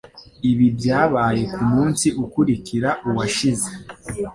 Ibi byabaye kumunsi ukurikira uwashize